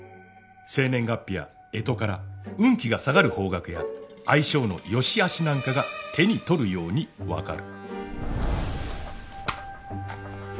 生年月日や干支から運気が下がる方角や相性の良し悪しなんかが手に取るように分かる。